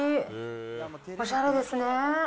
おしゃれですね。